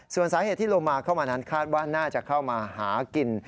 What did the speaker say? ส่วนสาเหตุที่โลมาเข้ามานั้นคาดว่าน่าจะเข้ามาหากิน